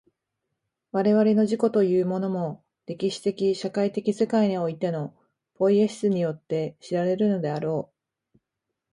我々の自己というものも、歴史的社会的世界においてのポイエシスによって知られるのであろう。